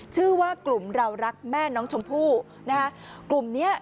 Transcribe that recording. ชื่อว่ากลุ่มเรารักแม่น้องชมพู่นะคะกลุ่มเนี้ย